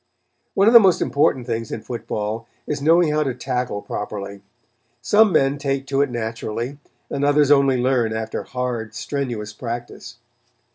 One of the most important things in football is knowing how to tackle properly. Some men take to it naturally and others only learn after hard, strenuous practice.